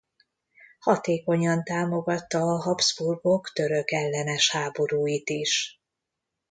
Hatékonyan támogatta a Habsburgok törökellenes háborúit is.